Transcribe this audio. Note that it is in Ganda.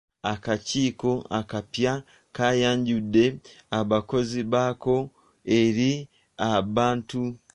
Akakiiko akapya kaayanjudde abakozi baako eri abantu.